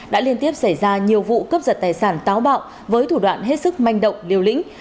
đã liên tiếp xảy ra nhiều vụ cấp giật tài sản táo bạo với thủ đoạn hết sức manh động liều lĩnh